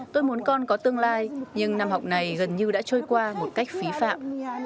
tôi muốn con có tương lai nhưng năm học này gần như đã trôi qua một cách phí phạm